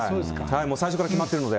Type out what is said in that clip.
最初から決まっているので。